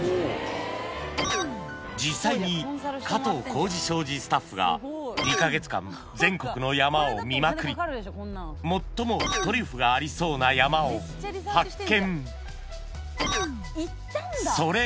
実際に加藤浩次商事スタッフが２か月間全国の山を見まくり最もトリュフがありそうな山を発見